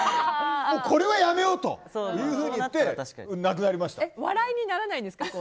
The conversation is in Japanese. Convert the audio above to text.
これはやめようというふうに笑いにならないんですか？